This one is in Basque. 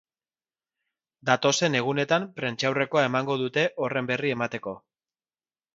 Datozen egunetan prentsaurrekoa emango dute horren berri emateko.